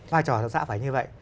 vai trò tác xã phải như vậy